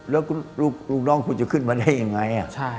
แล้วลูกน้องคุณจะขึ้นมาได้ยังไง